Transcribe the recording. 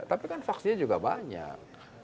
tapi kan vaksinnya juga banyak